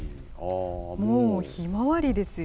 もうひまわりですよ。